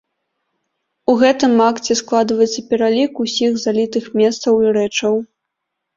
У гэтым акце складваецца пералік усіх залітых месцаў і рэчаў.